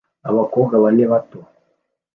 Abakobwa bane bato